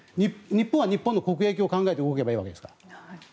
日本は日本の国益を考えて動けばいいわけですから。